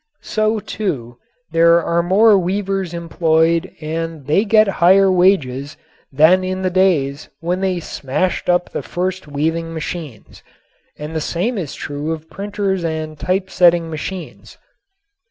So, too, there are more weavers employed and they get higher wages than in the days when they smashed up the first weaving machines, and the same is true of printers and typesetting machines.